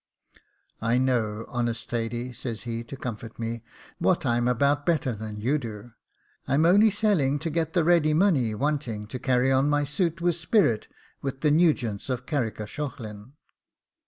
'I know, honest Thady,' says he, to comfort me, 'what I'm about better than you do; I'm only selling to get the ready money wanting to carry on my suit with spirit with the Nugents of Carrickashaughlin.